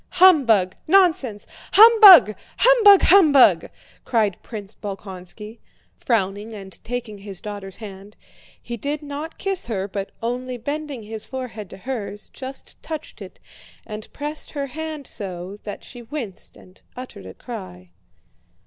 "Humbug! Nonsense! Humbug, humbug, humbug!" cried Prince Bolkónski, frowning and taking his daughter's hand; he did not kiss her, but only bending his forehead to hers just touched it, and pressed her hand so that she winced and uttered a cry.